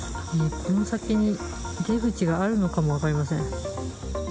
この先に出口があるのかも分かりません。